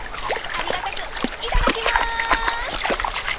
ありがたくいただきます！